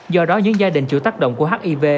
do đó những gia đình chịu tác động của hiv